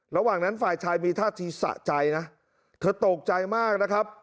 ระหว่างนั้นฝ่ายชายมีท่าทีสะใจนะเธอตกใจมากนะครับ